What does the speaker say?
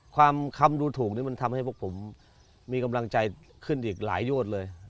คำดูถูกนี่มันทำให้พวกผมมีกำลังใจขึ้นอีกหลายยอดเลย